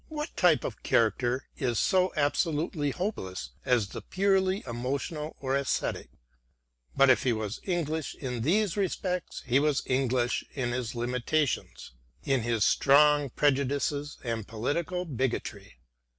What type of character is so absolutely hopeless as the purely emotional or aesthetic ! But if he was English in these respects, he was English in his limitations, in his strong prejudices and political bigotry.